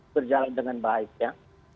berjalan dengan baik ya